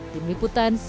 tim liputan cnn indonesia